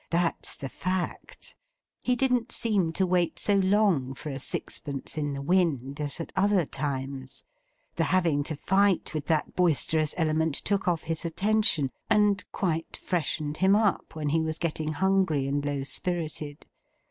That's the fact. He didn't seem to wait so long for a sixpence in the wind, as at other times; the having to fight with that boisterous element took off his attention, and quite freshened him up, when he was getting hungry and low spirited.